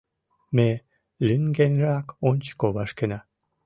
Ме лӱҥгенрак ончыко вашкена.